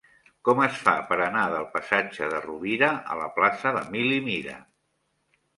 Com es fa per anar del passatge de Rovira a la plaça d'Emili Mira?